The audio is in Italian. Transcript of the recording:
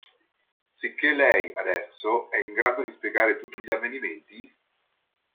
Sicché lei, adesso, è in grado di spiegare tutti gli avvenimenti?